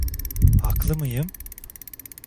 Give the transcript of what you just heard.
Haklı mıyım?